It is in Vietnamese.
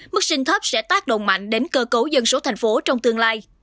mức sinh thấp sẽ tác động mạnh đến cơ cấu dân số thành phố trong tương lai